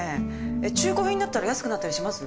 中古品だったら安くなったりします？